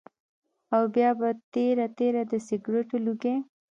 او بيا پۀ تېره تېره د سګرټو لوګی